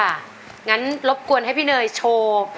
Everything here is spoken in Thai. งั้นรบกวนให้พี่เนยโชว์